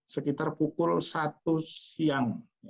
sekitar pukul satu siang